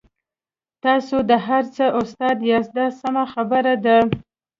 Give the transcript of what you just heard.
تاسو د هر څه استاد یاست دا سمه خبره ده.